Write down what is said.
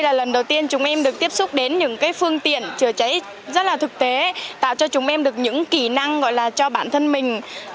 lần đầu tiên chúng em được tiếp xúc đến những phương tiện chữa cháy rất là thực tế tạo cho chúng em được những kỹ năng gọi là cho bản thân mình